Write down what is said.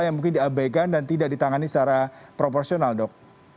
yang mungkin diabaikan dan tidak ditangani secara proporsional dok